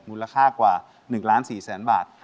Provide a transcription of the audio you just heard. มุลค่ากว่า๑๔๐๐๐๐๐บาท